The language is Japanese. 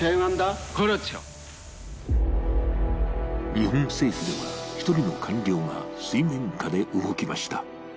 日本政府では、１人の官僚が水面下で動きました。